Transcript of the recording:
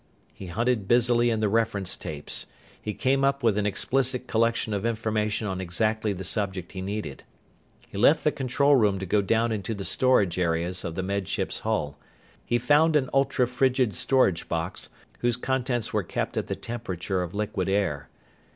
He hunted busily in the reference tapes. He came up with an explicit collection of information on exactly the subject he needed. He left the control room to go down into the storage areas of the Med Ship's hull. He found an ultra frigid storage box, whose contents were kept at the temperature of liquid air.